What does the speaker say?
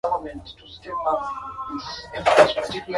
Zanzibar kuna fursa nyingi za uchumi wa buluu